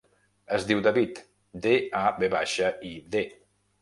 Es diu David: de, a, ve baixa, i, de.